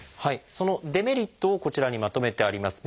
そのデメリットをこちらにまとめてあります。